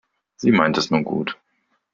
Sie meint es nur gut.